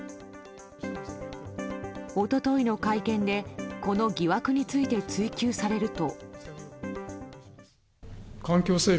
一昨日の会見でこの疑惑について追及されると。